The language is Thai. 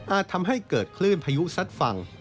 ทำให้เกิดคลื่นพายุซัดฝั่ง